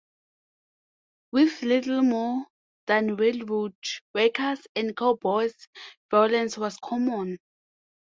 With little more than railroad workers and cowboys, violence was common.